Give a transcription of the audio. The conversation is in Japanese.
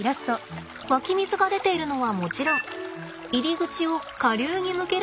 湧き水が出ているのはもちろん入り口を下流に向けるのがポイントです。